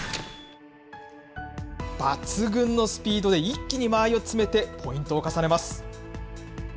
抜群のスピードで一気に間合いを詰めてポイントを重ねます。